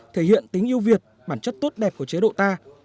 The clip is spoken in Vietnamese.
thể hiện tính yêu việt bản chất tốt đẹp của chế độ ta